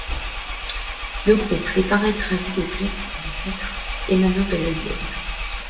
Le groupe fait paraître un vidéoclip du titre ' émanant de l'album '.